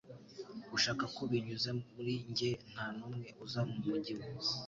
Ushaka ko binyuze muri njye nta n'umwe uza mu mujyi we